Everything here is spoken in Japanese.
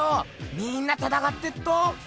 みんなたたかってっと。